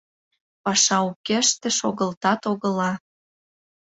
Паша укеште шогылтат огыла.